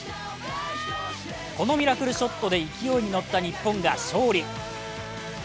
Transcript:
このミラクルショットで勢いに乗った日本が勝利。